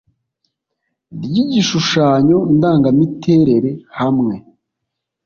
Ry igishushanyo ndangamiterere hamwe